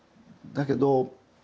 だけど